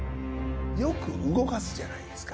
よく動かすじゃないですか。